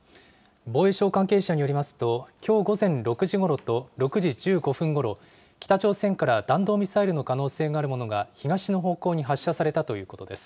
防衛省関係者によりますと、きょう午前６時ごろと６時１５分ごろ、北朝鮮から弾道ミサイルの可能性があるものが、東の方向に発射されたということです。